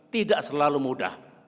tidak selalu mudah